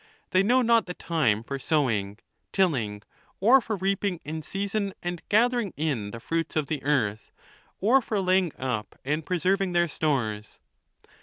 They know not the time for sowing, tilling, or for reaping in season and gathering in the fruits of the earth, or for laying up and preserving their stores.